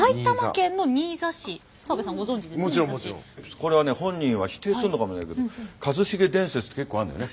これはね本人は否定するのかもしれないけど一茂伝説って結構あるんだよね。